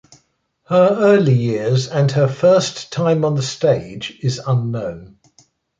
Her early years and her first time on the stage is unknown.